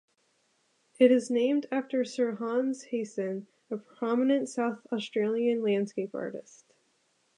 It is named after Sir Hans Heysen, a prominent South Australian landscape artist.